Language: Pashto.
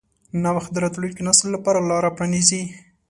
نوښت د راتلونکي نسل لپاره لاره پرانیځي.